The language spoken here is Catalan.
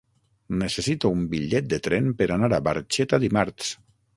Necessito un bitllet de tren per anar a Barxeta dimarts.